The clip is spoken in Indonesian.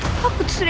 cuman baru memaksanya